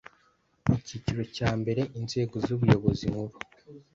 Icyiciro cya mbere Inzego z Ubuyobozi nkuru